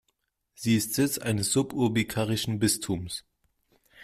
Sie ist Sitz eines suburbikarischen Bistums.